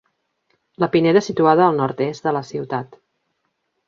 La Pineda situada al nord-est de la ciutat.